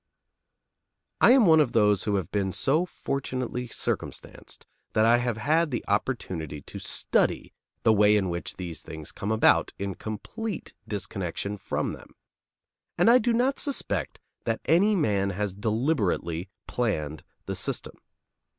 I am one of those who have been so fortunately circumstanced that I have had the opportunity to study the way in which these things come about in complete disconnection from them, and I do not suspect that any man has deliberately planned the system.